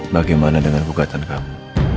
bagaimana dengan hugatan kamu